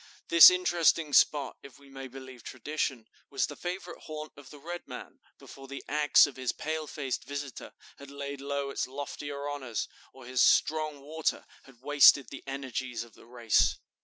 This interesting spot, if we may believe tradition, was the favorite haunt of the red man, before the axe of his pale faced visitor had laid low its loftier honors, or his 'strong water' had wasted the energies of the race."